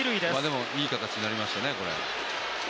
でもいい形になりましたね。